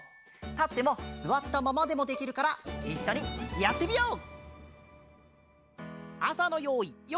たってもすわったままでもできるからいっしょにやってみよう！